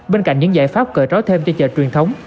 bên cạnh những giải pháp cờ trói thêm cho chợ truyền thống